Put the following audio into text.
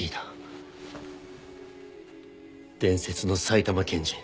伝説の埼玉県人。